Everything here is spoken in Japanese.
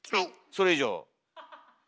それ以上。